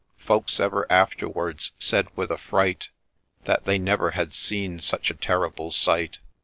— Folks ever afterwards said with affright That they never had seen such a terrible sight.